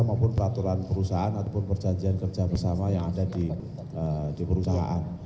maupun peraturan perusahaan ataupun perjanjian kerja bersama yang ada di perusahaan